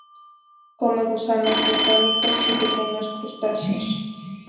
Come gusanos bentónicos y pequeños crustáceos.